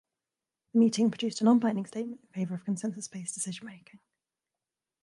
The meeting produced a nonbinding statement in favor of consensus-based decision-making.